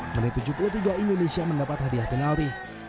menit tujuh puluh tiga indonesia mendapat hadiah penalti